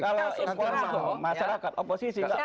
kalau itu masyarakat oposisi